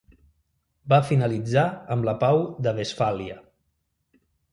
Va finalitzar amb la pau de Westfàlia.